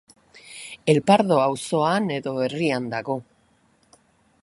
El Pardo auzoan edo herrian dago.